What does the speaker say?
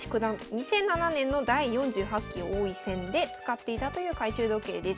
２００７年の第４８期王位戦で使っていたという懐中時計です。